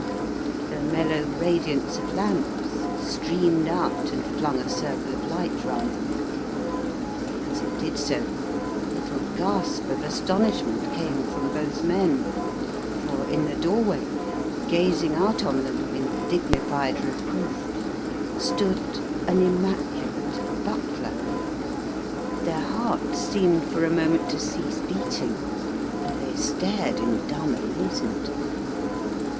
The mellow radiance of lamps streamed out and flung a circle of light round them. As it did so a little gasp of astonishment came from both men, for in the doorway, gazing out on them in dignified reproof, stood an immaculate butler. Their hearts seemed for a moment to cease beating and they stared in dumb amazement.